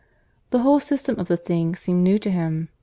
The whole system of the thing seemed new to him.